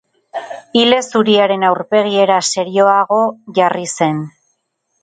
Ile zuriaren aurpegiera serioago jarri zen.